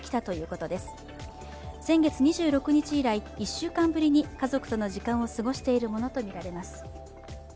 先月２６日以来、１週間ぶりに家族との時間を過ごしているものとみられます。